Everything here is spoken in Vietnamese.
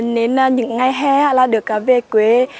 nên những ngày hè được về quê